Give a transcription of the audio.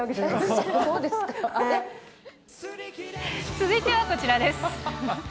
続いてはこちらです。